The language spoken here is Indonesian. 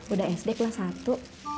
udah sd kelas satu